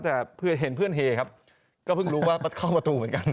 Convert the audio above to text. แต่เพื่อเห็นเพื่อนเฮครับก็เพิ่งรู้ว่าเข้าประตูเหมือนกัน